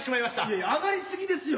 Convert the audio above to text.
いや上がり過ぎですよ。